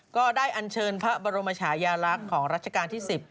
อันเชิญพระบรมชายาลักษณ์ของรัชกาลที่๑๐